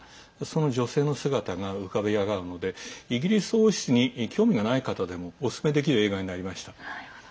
その女性の姿が浮かび上がるのでイギリス王室に興味がない方でもおすすめできる映画になりました。